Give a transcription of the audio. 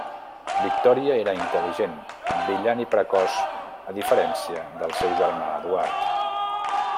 Victòria era intel·ligent, brillant i precoç, a diferència del seu germà Eduard.